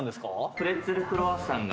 プレッツェルクロワッサンが。